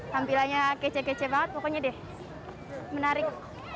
tampilannya kece kece banget pokoknya deh menarik